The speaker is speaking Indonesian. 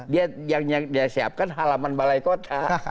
dia siapkan halaman balai kota